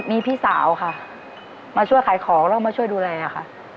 มีพี่สาวค่ะมาช่วยขายของแล้วมาช่วยดูแลอะค่ะ